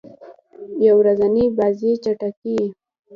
یو ورځنۍ بازۍ چټکي يي.